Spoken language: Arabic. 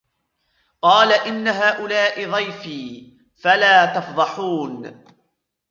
قَالَ إِنَّ هَؤُلَاءِ ضَيْفِي فَلَا تَفْضَحُونِ